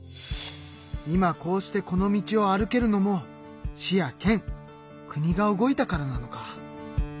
今こうしてこの道を歩けるのも市や県国が動いたからなのか。